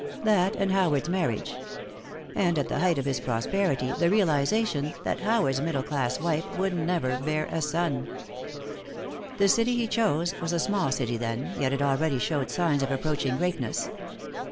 That, and Howard's marriage. And, at the height of his prosperity, the realization that Howard's middle class wife would never bear a son. The city he chose was a small city then, yet it already showed signs of approaching greatness.